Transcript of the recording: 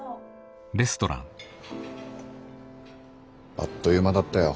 あっと言う間だったよ。